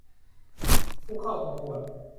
ผู้เข้าประกวด